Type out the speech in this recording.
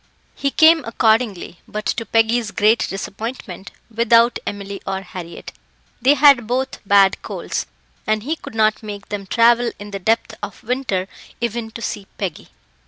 He came accordingly, but, to Peggy's great disappointment, without Emily or Harriett. They had both bad colds, and he could not make them travel in the depth of winter even to see Peggy.